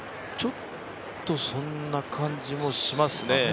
ちょっとそんな感じもしますね。